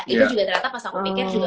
ibu juga ternyata pas aku pikir juga